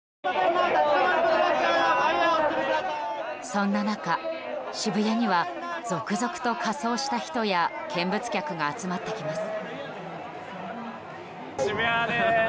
そんな中、渋谷には続々と仮装した人や見物客が集まってきます。